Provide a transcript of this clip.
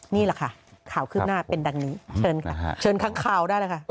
นี่แหละค่ะข่าวขึ้นหน้าเป็นดังนี้เชิญค้างข่าวได้แหละค่ะ